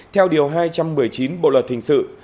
theo điều hai trăm một mươi chín bộ luật hình sự